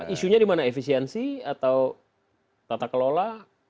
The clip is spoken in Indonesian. isunya dimana efisiensi atau tata kelola